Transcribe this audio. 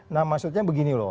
nah maksudnya begini loh